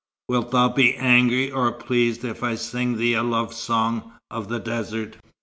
Wilt thou be angry or pleased if I sing thee a love song of the desert?"